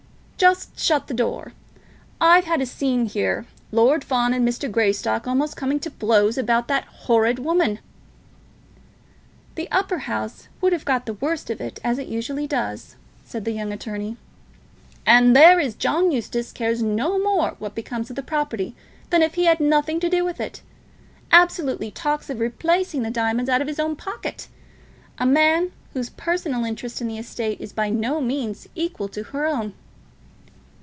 "Just shut the door. I've had such a scene here; Lord Fawn and Mr. Greystock almost coming to blows about that horrid woman." "The Upper House would have got the worst of it, as it usually does," said the younger attorney. "And there is John Eustace cares no more what becomes of the property than if he had nothing to do with it; absolutely talks of replacing the diamonds out of his own pocket; a man whose personal interest in the estate is by no means equal to her own."